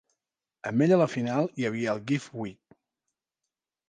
Amb ella a la final hi havia el Gift Gwe.